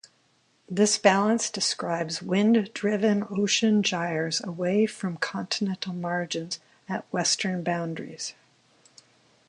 This balance describes wind-driven ocean gyres away from continental margins at western boundaries.